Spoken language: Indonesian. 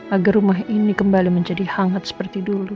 agar rumah ini kembali menjadi hangat seperti dulu